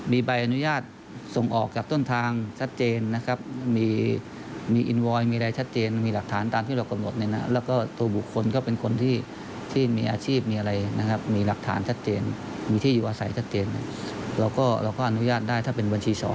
มีใบอนุญาตส่งออกจากต้นทางชัดเจน